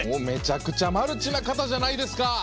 めちゃくちゃマルチな方じゃないですか！